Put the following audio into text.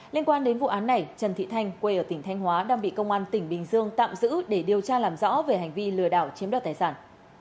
liên quan đến vụ án này trần thị thanh quê ở tỉnh thanh hóa đang bị công an tỉnh bình dương tạm giữ để điều tra làm rõ về hành vi lừa đảo chiếm đoạt tài sản